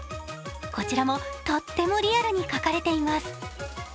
こちらもとってもリアルに描かれています。